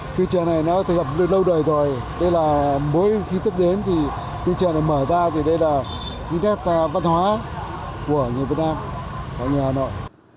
phiên chợ này nó đã gặp lâu đời rồi đây là mỗi khi tức đến thì phiên chợ này mở ra thì đây là cái nét văn hóa của người việt nam của nhà hà nội